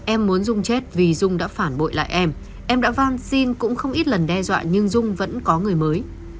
em muốn dung chết vì dung đã phản bội lại em em đã van xin cũng không ít lần đe dọa nhưng dung vẫn có người mới